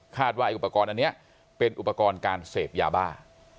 คาดว่าอันเนี้ยเป็นอุปกรณ์การเสพยาบ้า